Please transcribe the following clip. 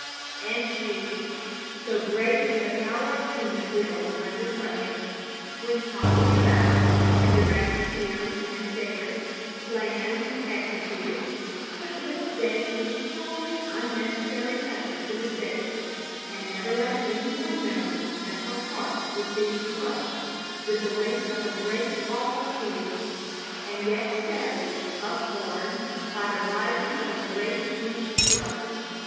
And she so great is the power of human will under pressure went calmly about and directed here and there; planned and executed; put little, dainty, wholly unnecessary touches to the stage; and never let any one know that her heart was being crushed with the weight of a great, awful fear, and yet steadily upborne by the rising of a great, deep trust.